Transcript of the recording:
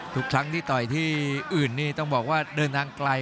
ทุกครั้งที่ต่อยที่อื่นนี่ต้องบอกว่าเดินทางไกล